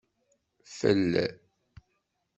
Fel!